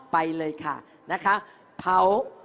ไปเลยค่ะนะคะเผา